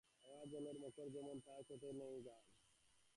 অগাধ জলের মকর যেমন, ও তার চিটে চিনি জ্ঞান নেই!